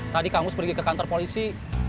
tadi kang mus pergi ke kantor polisi